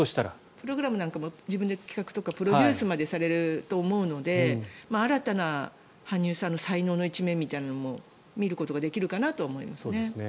プログラムなんかも自分で企画とかプロデュースまでされると思うので新たな羽生さんの才能の一面みたいなのも見られるかもしれないなと思いますね。